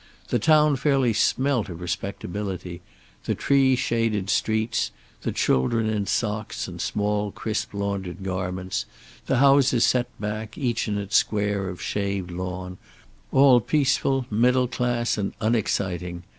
The town fairly smelt of respectability; the tree shaded streets, the children in socks and small crisp laundered garments, the houses set back, each in its square of shaved lawn, all peaceful, middle class and unexciting.